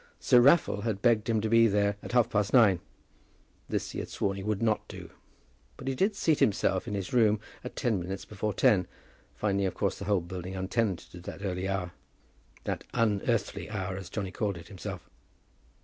Sir Raffle had begged him to be there at half past nine. This he had sworn he would not do; but he did seat himself in his room at ten minutes before ten, finding of course the whole building untenanted at that early hour, that unearthly hour, as Johnny called it himself.